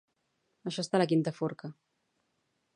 Això està a la quinta forca